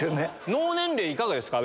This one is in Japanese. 脳年齢いかがですか？